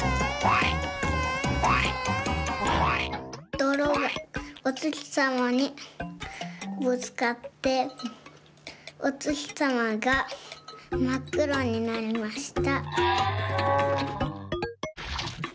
どろがおつきさまにぶつかっておつきさまがまっくろになりました。